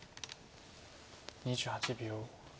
２８秒。